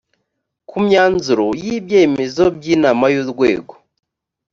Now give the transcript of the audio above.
ku myanzuro y ibyemezo by inama y urwego